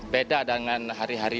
beda dengan hari hari